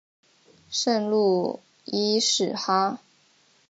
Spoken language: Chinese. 圣路易士哈！